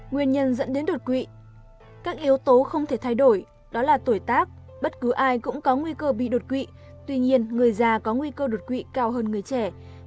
nguyên nhân dẫn đến đột quỵ các yếu tố không thể thay đổi đó là tuổi tác bất cứ ai cũng có nguy cơ bị đột quỵ tuy nhiên người già có nguy cơ đột quỵ cao hơn người trẻ